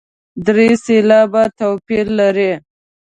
درې سېلابه توپیر لري.